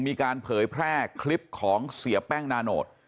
เผยแพร่คลิปของเสียแป้งนาโนต